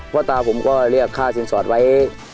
พ่อตาผมก็เรียกค่าสินสอดไว้